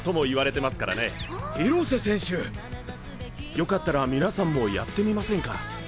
よかったら皆さんもやってみませんか？